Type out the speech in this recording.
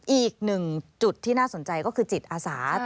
อีกหนึ่งจุดที่น่าสนใจก็คือจิตอาสา